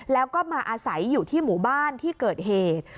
แล้วก็มาอาศัยอยู่ที่หมู่บ้านที่เกิดเหตุ